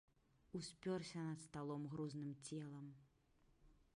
Успёрся над сталом грузным целам.